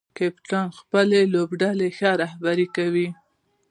کپتان خپله لوبډله ښه رهبري کوي.